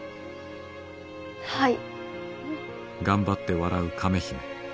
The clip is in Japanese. はい。